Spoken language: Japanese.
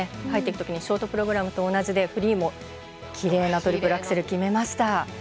入っていくときにショートプログラムと同じでフリーもきれいなトリプルアクセル決めました。